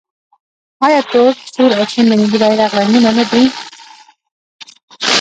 آیا تور، سور او شین د ملي بیرغ رنګونه نه دي؟